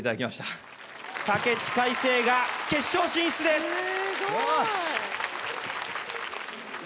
知海青が決勝進出です